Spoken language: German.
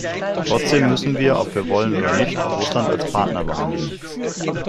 Trotzdem müssen wir, ob wir wollen oder nicht, Russland als Partner behandeln.